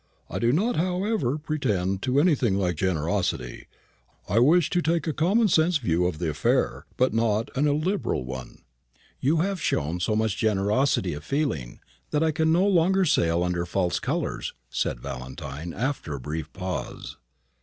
I do not, however, pretend to anything like generosity; I wish to take a common sense view of the affair, but not an illiberal one." "You have shown so much generosity of feeling, that I can no longer sail under false colours," said Valentine, after a brief pause.